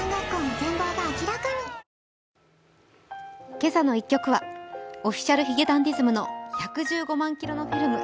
「けさの１曲」はＯｆｆｉｃｉａｌ髭男ｄｉｓｍの「１１５万キロのフィルム」。